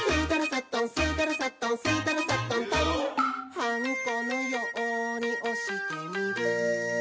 「はんこのようにおしてみる」